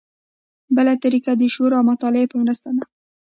بله طریقه د شعور او مطالعې په مرسته ده.